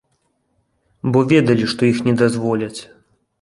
Бо ведалі, што іх не дазволяць.